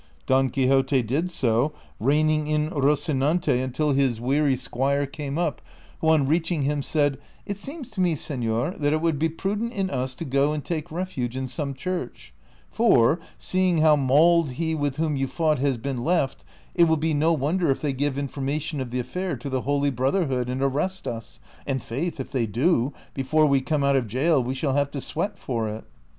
Don Quixote did so, reining in Rocinante until his weary 60 DON QUIXOTE. squire came up, who on reaching him said, " It seems to me, seiior, it woukl be i^rudent in us to go and take refuge in some church, for, seeing how mauled he with whom you fought has been left, it will be no Avonder if they give information of the affair to the Holy Brotherhood ' and arrest us, and, faith, if they do, before we come out of gaol we shall have to sweat for it."